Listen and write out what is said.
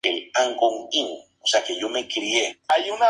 Resultó ser la goleadora más joven en una fase final de un Mundial.